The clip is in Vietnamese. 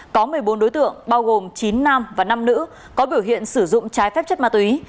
có một mươi bốn đối tượng bao gồm chín nam và năm nữ có biểu hiện sử dụng trái phép chất ma túy